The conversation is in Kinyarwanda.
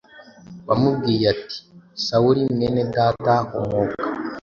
wamubwiye ati: “Sawuli, Mwenedata, humuka”